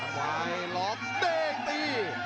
วายหลอกเบ้งตี